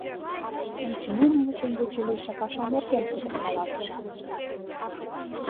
Очыни, нуно теҥгече лийше паша нерген кутыркалат.